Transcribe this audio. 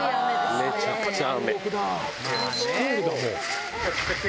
めちゃくちゃ雨。